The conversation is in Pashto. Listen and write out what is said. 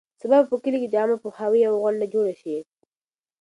سبا به په کلي کې د عامه پوهاوي یوه غونډه جوړه شي.